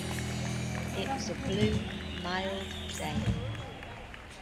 It was a blue, mild day.